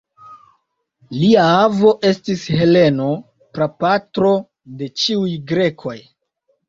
Lia avo estis Heleno, prapatro de ĉiuj grekoj.